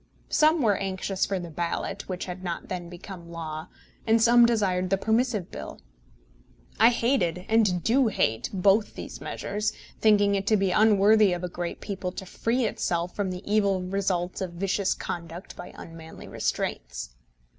Some were anxious for the Ballot, which had not then become law, and some desired the Permissive Bill. I hated, and do hate, both these measures, thinking it to be unworthy of a great people to free itself from the evil results of vicious conduct by unmanly restraints.